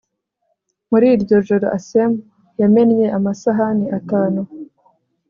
Muri iryo joro Asem yamennye amasahani atanu